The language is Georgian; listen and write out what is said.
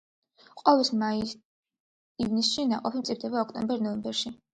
ყვავის მაის-ივნისში, ნაყოფი მწიფდება ოქტომბერ-ნოემბერში.